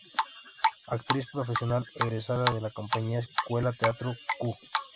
Actriz profesional, egresada de la Compañía Escuela Teatro "Q".